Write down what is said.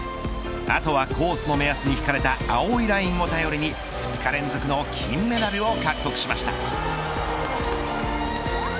あとはコースの目安に引かれた青いラインを頼りに２日連続の金メダルを獲得しました。